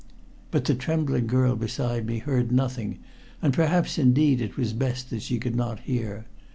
_" But the trembling girl beside me heard nothing, and perhaps indeed it was best that she could not hear.